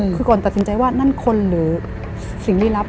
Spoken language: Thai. คือก่อนตัดสินใจว่านั่นคนหรือสิ่งลี้ลับ